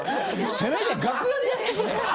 せめて楽屋でやってくれ。